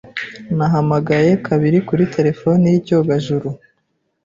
Nahamagaye Kabila kuri telefoni y’icyogajuru,